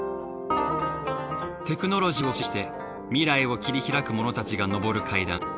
テクノロジーを駆使して未来を切り拓く者たちが昇る階段。